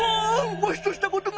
わしとしたことが！